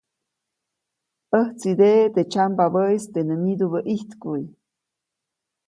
ʼÄjtsideʼe teʼ tsyambabäʼis teʼ nä myidubä ʼijtkuʼy.